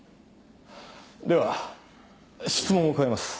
では質問を変えます。